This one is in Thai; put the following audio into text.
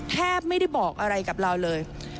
แทบไม่ได้บอกอะไรกับเราเลย